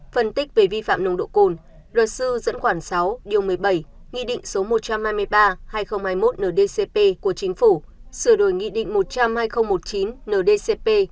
phân tích về vi phạm nồng độ cồn luật sư dẫn khoảng sáu điều một mươi bảy nghị định số một trăm hai mươi ba hai nghìn hai mươi một ndcp của chính phủ sửa đổi nghị định một trăm linh hai nghìn một mươi chín ndcp